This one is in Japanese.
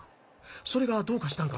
それがどうかしたんか？